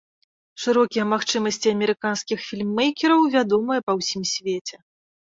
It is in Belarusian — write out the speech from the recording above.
Шырокія магчымасці амерыканскіх фільм-мэйкераў вядомыя па ўсім свеце.